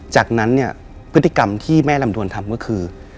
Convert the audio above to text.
จากนั้นเนี่ยพฤติกรรมที่แม่ลำดวนทำก็คือ